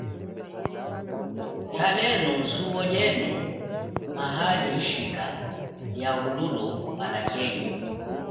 Talenu zuwo lienu maali hichika liahululu, alakenye.